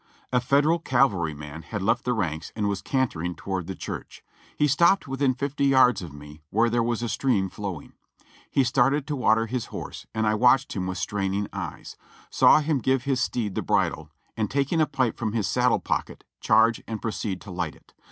A Federal cavalryman had left the ranks and was cantering toward the church. He stopped within fifty yards of me, where there was a stream flow ing. He started to water his horse and I watched him with straining eyes ; saw him give his steed the bridle, and taking a pipe from his saddle pocket, charge and proceed to light it.